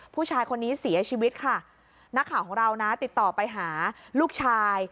ผู้ชายคนนี้เสียชีวิตค่ะนักข่าวของเรานะติดต่อไปหาลูกชาย